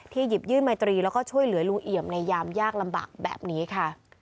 หยิบยื่นไมตรีแล้วก็ช่วยเหลือลุงเอี่ยมในยามยากลำบากแบบนี้ค่ะ